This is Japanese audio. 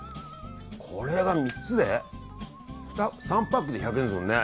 これが３つで３パックで１００円ですもんね。